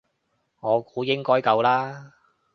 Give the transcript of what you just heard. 我估應該夠啦